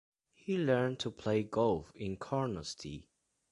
He learned to play golf in Carnoustie.